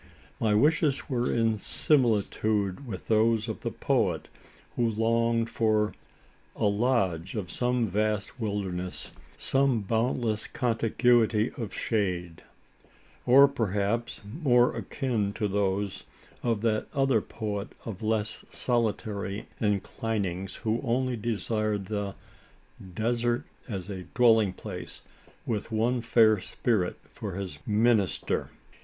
My wishes were in similitude with those of the poet, who longed for "a lodge in some vast wilderness some boundless contiguity of shade;" or perhaps, more akin to those of that other poet of less solitary inclinings, who only desired the "desert as a dwelling place, with one fair spirit for his minister!"